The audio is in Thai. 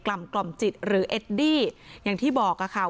กล่ำกล่ำจิตหรือเอดดี้อย่างที่บอกอ่ะค่ะ